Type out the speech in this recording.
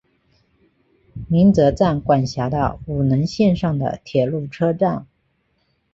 鸣泽站管辖的五能线上的铁路车站。